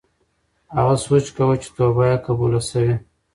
هغه سوچ کاوه چې توبه یې قبوله شوې.